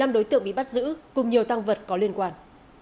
một mươi năm đối tượng bị bắt giữ cùng nhiều tăng vật có liên quan